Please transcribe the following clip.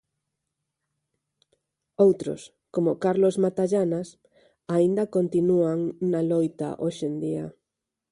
Outros, como Carlos Matallanas, aínda continúan na loita hoxe en día.